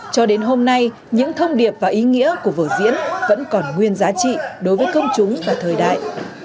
cho đến hôm nay những thông điệp và ý nghĩa của vở diễn vẫn còn nguyên giá trị đối với công chúng và thời đại